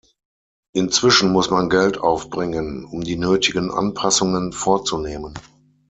Inzwischen muss man Geld aufbringen, um die nötigen Anpassungen vorzunehmen.